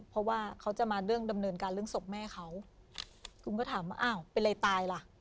เพราะว่าเขาจะมาเรื่องดำเนินการเรื่องศพแม่เขากุมก็ถามว่าอ้าวเป็นอะไรตายล่ะ